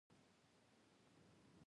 وسله رحم نه پېژني